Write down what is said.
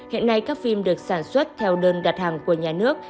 hiện nay các phim được sản xuất theo đơn đặt hàng của nhà nước